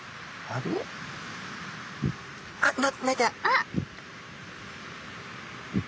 あっ！